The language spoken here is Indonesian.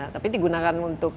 tapi digunakan untuk